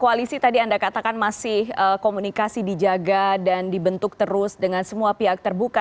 koalisi tadi anda katakan masih komunikasi dijaga dan dibentuk terus dengan semua pihak terbuka